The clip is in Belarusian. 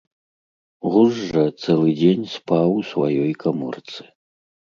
Гуз жа цэлы дзень спаў у сваёй каморцы.